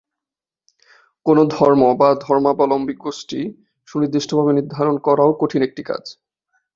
কোনো ধর্ম বা ধর্মাবলম্বী গোষ্ঠী সুনির্দিষ্টভাবে নির্ধারণ করাও কঠিন একটি কাজ।